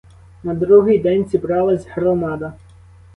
На другий день зібралась громада.